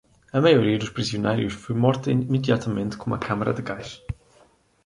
A maioria dos prisioneiros foi morta imediatamente em uma câmara de gás.